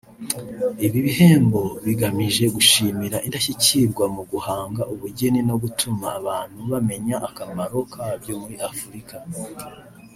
Ibi bihembo bigamije gushimira indashyikirwa mu guhanga ubugeni no gutuma abantu bamenya akamaro kabyo muri Afurika